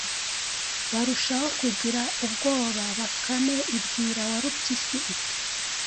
barushaho kugira ubwoba. Bakame ibwira Warupyisi iti: